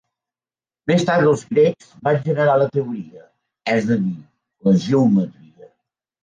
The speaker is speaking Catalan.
Més tard, els grecs, van generar la teoria, és a dir, la geometria.